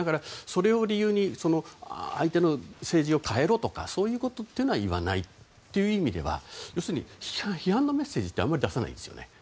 それを理由に相手の政治を変えろとか、そういうことは言わないという意味では批判のメッセージってあまり出さないんですよね。